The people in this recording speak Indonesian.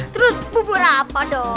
terus bubur apa dong